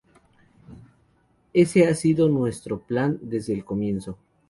Ese ha sido nuestro plan desde el comienzo.